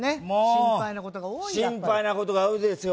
心配なことが多いですよ